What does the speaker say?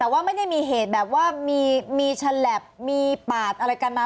แต่ว่าไม่ได้มีเหตุแบบว่ามีฉลับมีปาดอะไรกันมา